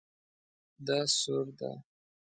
دا سور ده